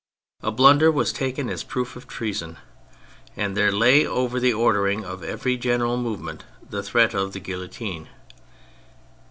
A blunder was taken as a proof of treason, and there lay over the ordering of every general movement the threat of the guillotine.